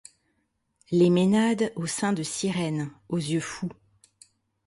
Les Ménades aux seins de Sirène, aux yeux fous